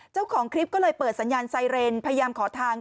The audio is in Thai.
เจ้าของคลิปก็เลยเปิดสัญญาณไซเรนพยายามขอทาง